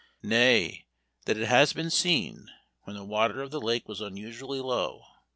Nay, that it has been seen, when the water of the lake was unusually low.